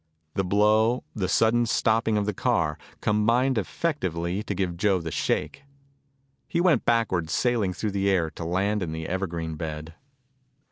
The blow, the sudden stopping of the car, combined effectively to give Joe the shake. He went backwards, sailing through the air, to land in the evergreen bed.